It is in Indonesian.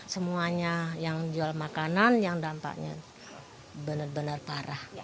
semuanya yang jual makanan yang dampaknya benar benar parah